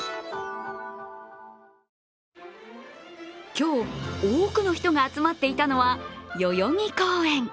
今日、多くの人が集まっていたのは代々木公園。